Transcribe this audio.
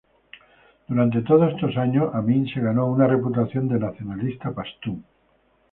Durante todos estos años, Amín se ganó una reputación de nacionalista pastún.